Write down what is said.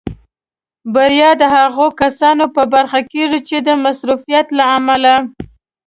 بریا د هغو کسانو په برخه کېږي چې د مصروفیت له امله.